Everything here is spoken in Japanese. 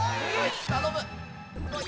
頼む！